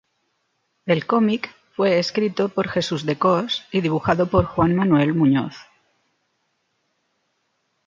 El cómic fue escrito por Jesús de Cos y dibujado por Juan Manuel Muñoz.